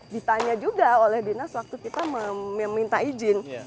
ditanya juga oleh dinas waktu kita meminta izin